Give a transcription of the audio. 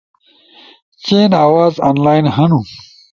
چئین آواز انلائن ہنو